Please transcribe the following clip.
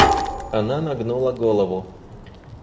Она нагнула голову.